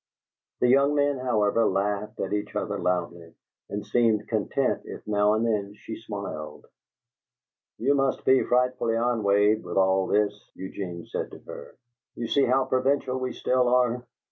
The young men, however, laughed at each other loudly, and seemed content if now and then she smiled. "You must be frightfully ennuied with all this," Eugene said to her. "You see how provincial we still are."